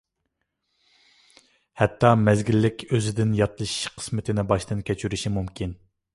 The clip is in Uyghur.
ھەتتا مەزگىللىك ئۆزىدىن ياتلىشىش قىسمىتىنى باشتىن كەچۈرۈشى مۇمكىن.